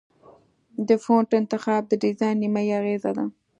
د فونټ انتخاب د ډیزاین نیمایي اغېزه ده.